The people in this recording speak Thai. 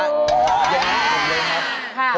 อย่างนี้ผมเลยครับ